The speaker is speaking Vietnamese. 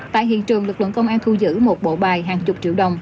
tại hiện trường lực lượng công an thu giữ một bộ bài hàng chục triệu đồng